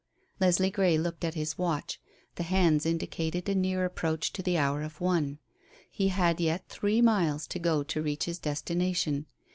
Leslie Grey looked at his watch; the hands indicated a near approach to the hour of one. He had yet three miles to go to reach his destination.